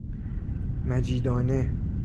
مجیدانه